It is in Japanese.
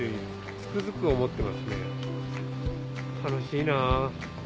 楽しいなぁ。